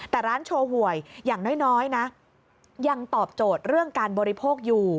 แต่ร้านโชว์หวยอย่างน้อยนะยังตอบโจทย์เรื่องการบริโภคอยู่